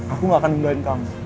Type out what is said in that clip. aku gak akan ngembain kamu